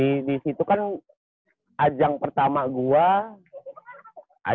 di situ kan ajang pertama gue